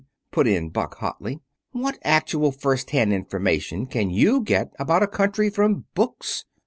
put in Buck hotly. "What actual first hand information can you get about a country from books?"